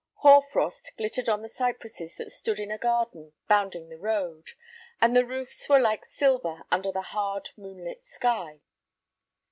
Hoar frost glittered on the cypresses that stood in a garden bounding the road, and the roofs were like silver under the hard, moonlit sky.